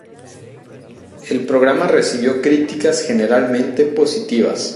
El programa recibió críticas generalmente positivas.